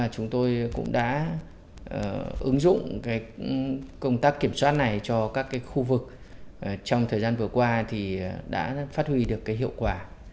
chúng tôi cũng đã ứng dụng công tác kiểm soát này cho các khu vực trong thời gian vừa qua thì đã phát huy được hiệu quả